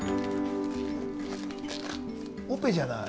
オペじゃない。